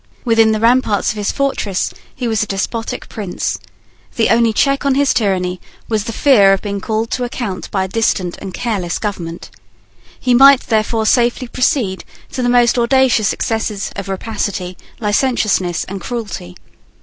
Within the ramparts of his fortress he was a despotic prince. The only check on his tyranny was the fear of being called to account by a distant and a careless government. He might therefore safely proceed to the most audacious excesses of rapacity, licentiousness, and cruelty.